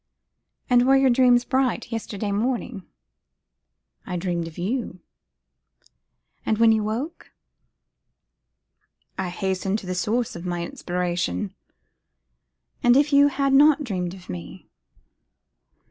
'And were your dreams bright yesterday morning?' 'I dreamed of you.' 'And when you awoke?' 'I hastened to the source of my inspiration.' 'And if you had not dreamt of me?